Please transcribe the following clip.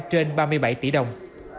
trên ba mươi bảy tỷ đồng